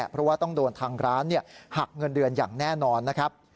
เพราะว่าต้องโดนทางร้านหักเงินเดือนอย่างแน่นอนนะครับ